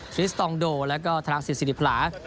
ริสตองโดแล้วก็ธนสิทธิพลา